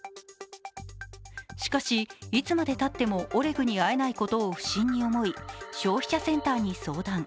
しかし、いつまでたってもオレグに会えないことを不審に思い、消費者センターに相談。